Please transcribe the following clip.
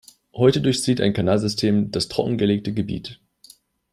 Heute durchzieht ein Kanalsystem das trockengelegte Gebiet.